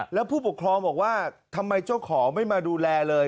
แล้วผู้ปกครองบอกว่าทำไมเจ้าของไม่มาดูแลเลย